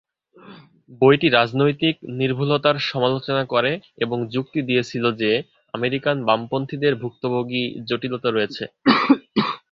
বইটি রাজনৈতিক নির্ভুলতার সমালোচনা করে এবং যুক্তি দিয়েছিল যে আমেরিকান বামপন্থীদের ভুক্তভোগী জটিলতা রয়েছে।